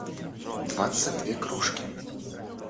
двадцать две кружки